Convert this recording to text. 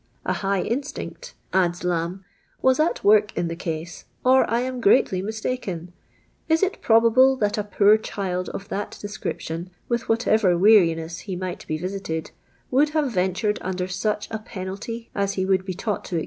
...." A high instinct," a lds Lanih, " was at work in the case, or I am greatly mistaken. Is it prolmhle that a poor child of that description, with whatever Wv'ariness he might be visited, would have ven tured under such a i>ennlty as he would be taught to e.